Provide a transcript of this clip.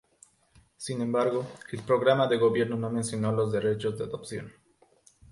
Sin embargo, el Programa de Gobierno no mencionó los derechos de adopción.